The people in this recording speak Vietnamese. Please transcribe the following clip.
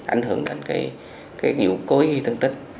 ảnh hưởng đến cái vụ cối gây thân tích